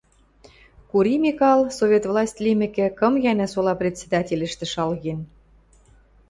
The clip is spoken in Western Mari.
«Кури Микал, Совет власть лимӹкӹ, кым гӓнӓ сола председательӹштӹ шалген